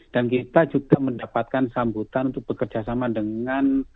dan kita juga mendapatkan sambutan untuk bekerjasama dengan